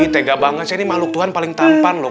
tega banget saya ini makhluk tuhan paling tampan loh